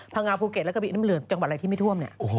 พังงาภูเก็ตแล้วก็บีน้ำเหลืองจังหวัดอะไรที่ไม่ท่วมเนี่ย